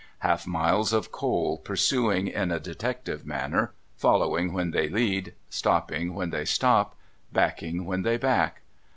Half miles of coal pursuing in a Detective manner, following when they lead, stopping when they stop, backing when they back.